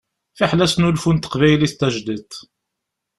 Fiḥel asnulfu n teqbaylit tajdidt.